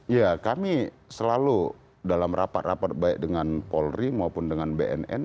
ya kami selalu dalam rapat rapat baik dengan polri maupun dengan bnn